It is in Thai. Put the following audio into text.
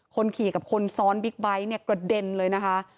คนขี่กับคนซ้อนบิ๊กไบท์เนี่ยกระเด็นเลยนะคะ